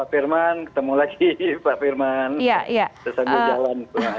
selamat malam pak herman ketemu lagi pak herman